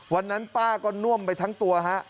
วันนั้นป้าก็น่วมไปทั้งตัวฮะ